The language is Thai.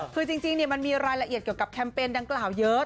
คือจริงมันมีรายละเอียดกับแคมเป็นดังข่าวเยอะ